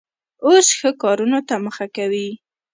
اوس ښو کارونو ته مخه کوي.